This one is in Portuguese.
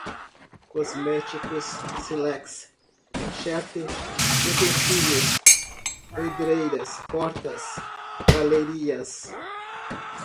cosméticos, sílex, cherte, utensílios, pedreiras, cortas, galerias